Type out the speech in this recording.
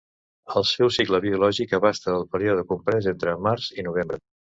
El seu cicle biològic abasta el període comprès entre març i novembre.